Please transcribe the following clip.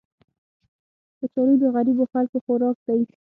کچالو د غریبو خلکو خوراک دی